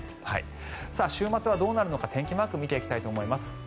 週末はどうなるのか天気マーク見ていきたいと思います。